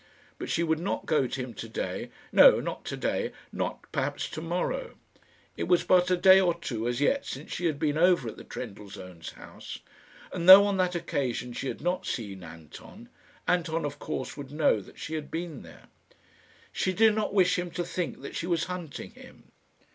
But she would not go to him to day no, not to day; not perhaps to morrow. It was but a day or two as yet since she had been over at the Trendellsohns' house, and though on that occasion she had not seen Anton, Anton of course would know that she had been there. She did not wish him to think that she was hunting him.